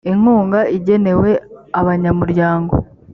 inkunga igenewe abanyamuryango